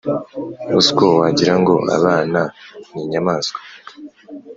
uziko wagirango abana n’inyamaswa